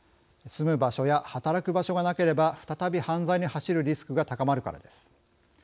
住む場所や働く場所がなければ再び犯罪に走るリスクが高まるからです。